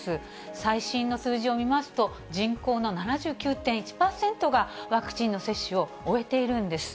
最新の数字を見ますと、人口の７９．１％が、ワクチンの接種を終えているんです。